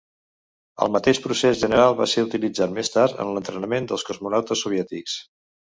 El mateix procés general va ser utilitzat més tard en l'entrenament dels cosmonautes soviètics.